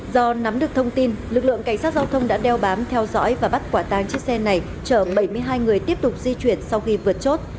do nắm được thông tin lực lượng cảnh sát giao thông đã đeo bám theo dõi và bắt quả tang chiếc xe này chở bảy mươi hai người tiếp tục di chuyển sau khi vượt chốt